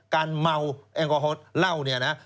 การเมาแอลกอฮอลเหล้าเนี่ยนะ